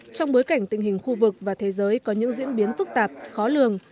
trong bối cảnh tình hình khu vực và thế giới có những diễn biến phức tạp khó lường